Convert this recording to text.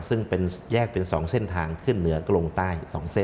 ซึ่งแยกเป็น๒เส้นทางขึ้นเหนือกลงใต้